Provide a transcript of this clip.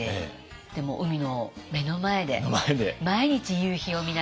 でもう海の目の前で毎日夕日を見ながら。